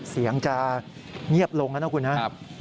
เซียงจะเงียบลงแล้วนะครับ